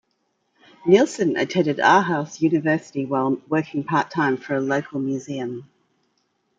Nielsen attended Aarhus University while working part-time for a local museum.